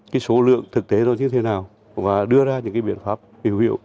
cái số lượng thực tế nó như thế nào và đưa ra những cái biện pháp hiểu hiểu